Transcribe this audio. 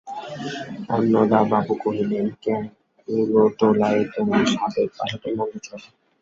অন্নদাবাবু কহিলেন, কেন, কলুটোলায় তোমার সাবেক বাসা তো মন্দ ছিল না।